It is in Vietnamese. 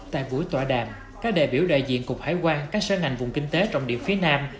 tại buổi tọa đàm các đại biểu đại diện cục hải quan các sở ngành vùng kinh tế trọng điểm phía nam